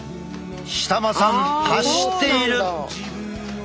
舌間さん走っている！